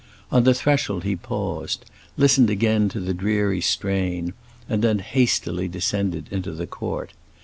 On the threshold he paused, listened again to the dreary strain, and then hastily descended into the court.